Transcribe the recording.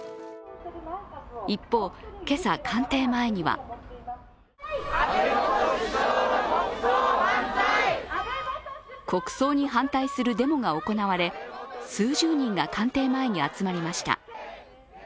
一方、今朝、官邸前には。国葬に反対するデモが行われ数十人が官邸前に集まりました。